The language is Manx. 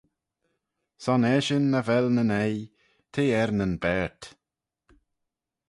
Son eshyn nagh vel nyn 'oi, t'eh er nyn baart.